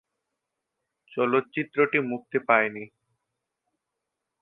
চলচ্চিত্রটি মুক্তি পায়নি।